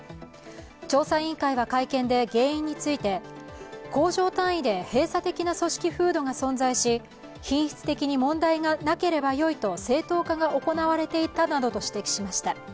調査委員会は会見で原因について工場単位で閉鎖的な組織風土が存在し品質的に問題がなければよいと正当化が行われていたなどと指摘しました。